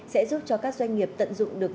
sẽ giúp cho các doanh nghiệp tận dụng được